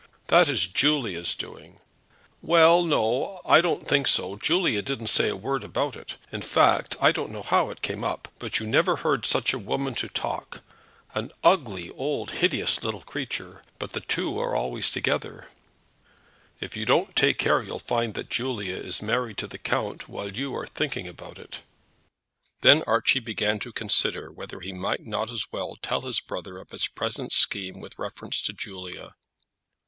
That is Julia's doing." "Well; no, I don't think so. Julia didn't say a word about it. In fact, I don't know how it came up. But you never heard such a woman to talk, an ugly, old, hideous little creature! But the two are always together." "If you don't take care you'll find that Julia is married to the count while you are thinking about it." Then Archie began to consider whether he might not as well tell his brother of his present scheme with reference to Julia.